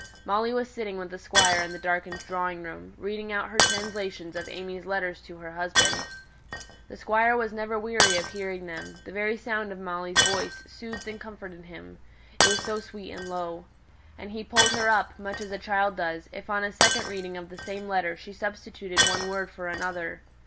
Molly was sitting with the Squire in the darkened drawing room, reading out her translations of AimÄe's letters to her husband. The Squire was never weary of hearing them; the very sound of Molly's voice soothed and comforted him, it was so sweet and low. And he pulled her up, much as a child does, if on a second reading of the same letter she substituted one word for another.